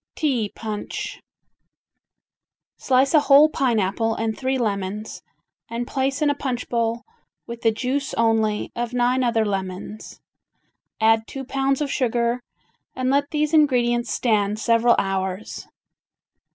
"T" Punch Slice a whole pineapple and three lemons, and place in a punch bowl with the juice only of nine other lemons, add two pounds of sugar, and let these ingredients stand several hours.